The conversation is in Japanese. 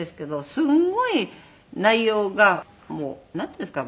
すごい内容がもうなんていうんですか。